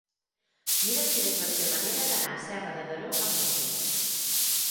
Mira'm quina és la millor manera d'anar a Serra de Daró amb moto.